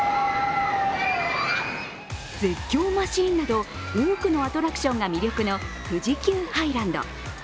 絶叫マシンなど多くのアトラクションが魅力の富士急ハイランド。